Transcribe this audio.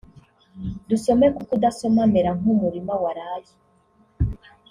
Dusome kuko Udasoma amera nk’umurima waraye